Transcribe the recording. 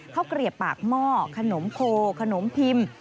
ข้าวเกลียบปากหม้อขนมโคขนมพิม